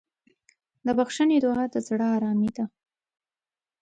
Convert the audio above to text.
د بښنې دعا د زړه ارامي ده.